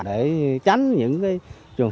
để tránh những trường hợp nó lây lan dịch bệnh